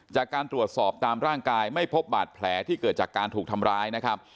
จากการตรวจสอบตามร่างกายไม่พบบาดแผลที่เกิดจากการถูกทำร้ายนะครับ